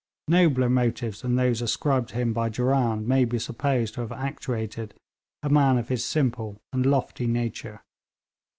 Nobler motives than those ascribed to him by Durand may be supposed to have actuated a man of his simple and lofty nature.